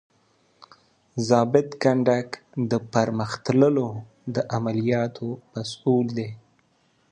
ضابط کنډک د پرمخ تللو د عملیاتو مسؤول دی.